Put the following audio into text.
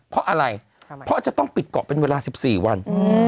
เพราะอะไรเพราะจะต้องปิดเกาะเป็นเวลา๑๔วัน